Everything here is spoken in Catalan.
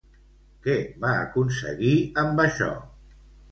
Què va aconseguir amb això?